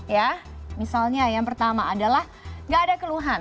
ya misalnya yang pertama adalah gak ada keluhan